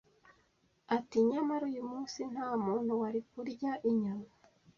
ati nyamara uyu munsi nta muntu wari kurya inyama